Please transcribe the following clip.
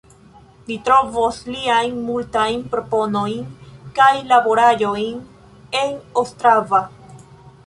Ni trovos liajn multajn proponojn kaj laboraĵojn en Ostrava.